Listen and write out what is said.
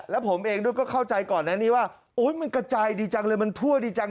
แล้วผมเองด้วยก็เข้าใจก่อนอันนี้ว่าโอ๊ยมันกระจายดีจังเลยมันทั่วดีจัง